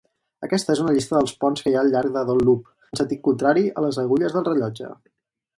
Aquesta és una llista del ponts que hi ha al llarg de Don Loop, en sentit contrari a les agulles del rellotge.